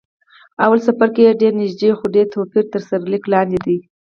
لومړی څپرکی یې ډېر نږدې، خو ډېر توپیر تر سرلیک لاندې دی.